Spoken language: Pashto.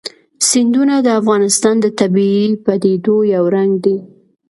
سیندونه د افغانستان د طبیعي پدیدو یو رنګ دی.